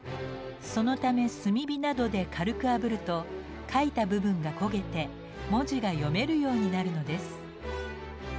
そのため炭火などで軽くあぶると書いた部分が焦げて文字が読めるようになるのです。